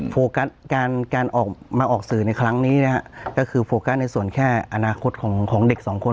โฟกัสการการออกมาออกสื่อในครั้งนี้นะฮะก็คือโฟกัสในส่วนแค่อนาคตของเด็กสองคน